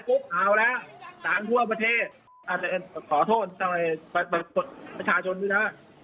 เอาแล้วสารทั่วประเทศขอโทษประชาชนด้วยนะ